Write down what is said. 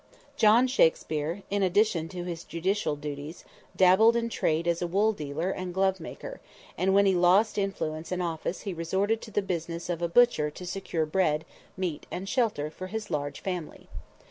John Shakspere, in addition to his judicial duties, dabbled in trade as a wool dealer and glove maker, and when he lost influence and office he resorted to the business of a butcher to secure bread, meat and shelter for his large family.